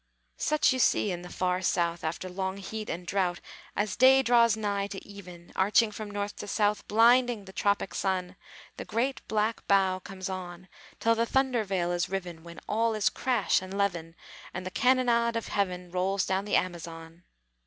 (Such you see in the far South, After long heat and drought, As day draws nigh to even, Arching from north to south, Blinding the tropic sun, The great black bow comes on, Till the thunder veil is riven, When all is crash and levin, And the cannonade of heaven Rolls down the Amazon!)